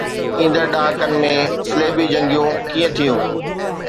ايندڙ ڏهاڪن ۾ صليبي جنگيون ڪيئن ٿيون؟